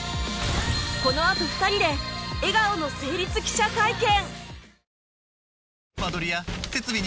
このあと２人で笑顔の成立記者会見